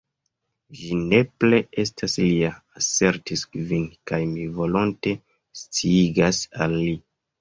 "Ĝi nepre estas lia," asertis Kvin, "kaj mi volonte sciigas al li.